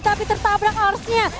tapi tertabrak ars nya